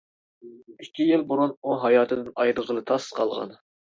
ئىككى يىل بۇرۇن ئۇ ھاياتىدىن ئايرىلغىلى تاس قالغان.